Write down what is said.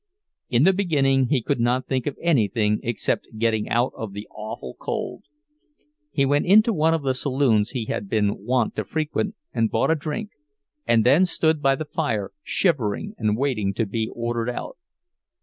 In the beginning he could not think of anything except getting out of the awful cold. He went into one of the saloons he had been wont to frequent and bought a drink, and then stood by the fire shivering and waiting to be ordered out.